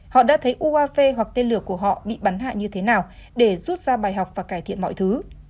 họ đã thấy uafe hoặc tên lửa của họ bị bắn hạ như thế nào để rút ra bài học và cải thiện mọi thứ